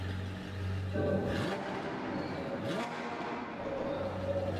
ঘটনার পরপরই দুটি গুলিভর্তি একটি বিদেশি পিস্তলসহ তাকে আটক করা হয়।